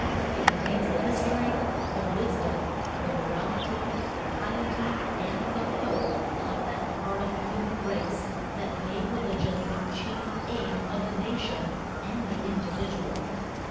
It contains the history, the wisdom, the morality, the piety and the hope of that part of the human race that made religion the chief aim of the nation and the individual.